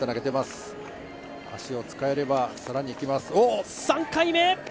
足を使えれば、更にいきます